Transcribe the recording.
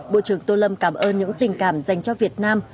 bộ trưởng tô lâm cảm ơn những tình cảm dành cho việt nam